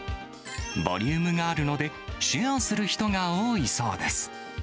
ボリュームがあるので、シェアする人が多いそうです。